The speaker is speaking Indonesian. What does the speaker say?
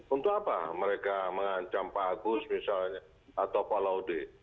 untuk apa mereka mengancam pak agus misalnya atau pak laude